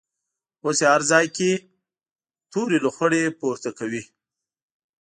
اوس یې هر ځای کې تورې لوخړې پورته کوي.